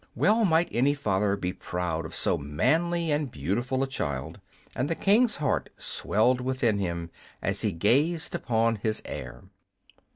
Well might any father be proud of so manly and beautiful a child, and the King's heart swelled within him as he gazed upon his heir.